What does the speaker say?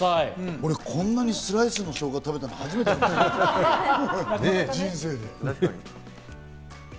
俺、こんなにスライスのしょうが食べたの初めて、人生で。